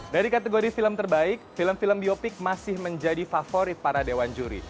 dari kategori film terbaik film film biopik masih menjadi favorit para dewan juri